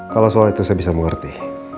kalau soal itu saya bisa mengerti